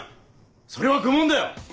それは愚問だよ！